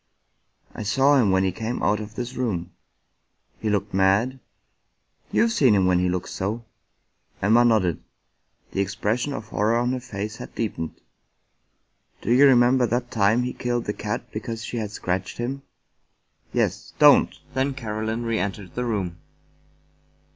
" I saw him when he came out of this room." "He looked mad?" " You've seen him when he looked so." Emma nodded ; the expression of horror on her face had deepened. " Do you remember that time he killed the cat because she had scratched him?" "Yes. Don't!" Then Caroline reentered the room.